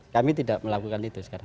kami tidak melakukan itu sekarang